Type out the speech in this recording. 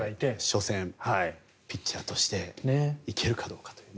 初戦ピッチャーとしていけるかどうか。